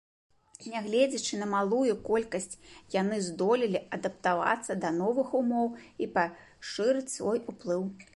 Нягледзячы на малую колькасць, яны здолелі адаптавацца да новых умоў і пашырыць свой уплыў.